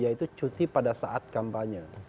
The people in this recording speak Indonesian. yaitu cuti pada saat kampanye